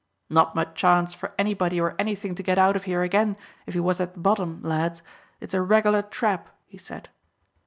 "Not much chance for anybody or anything to get out of here again if he was at the bottom, lads. It's a regular trap," he said.